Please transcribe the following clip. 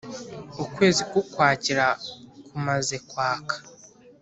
Ukwezi k'Ukwakira kumaze kwaka